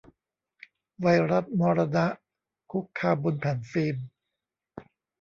ไวรัสมรณะ คุกคามบนแผ่นฟิล์ม